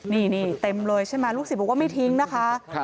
นี่เต็มเลยใช่ไหมลูกศิษย์บอกว่าไม่ทิ้งนะคะ